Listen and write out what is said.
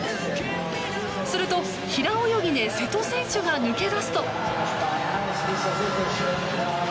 すると、平泳ぎで瀬戸選手が抜け出すと。